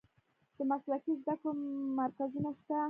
د مسلکي زده کړو مرکزونه شته؟